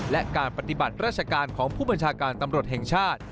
และการปฏิบัติราชการของผู้บัญชาการตำรวจแห่งชาติ